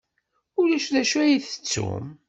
Ulac d acu ay tettum?